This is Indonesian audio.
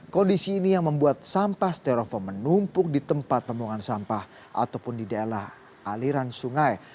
kondisi ini yang membuat sampah sterofoam menumpuk di tempat pembuangan sampah ataupun di daerah aliran sungai